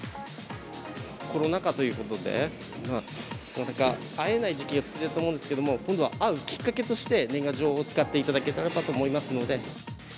コロナ禍ということで、なかなか会えない時期が続いたと思うんですけど、今度は会うきっかけとして、年賀状を使っていただけたらと思いますので。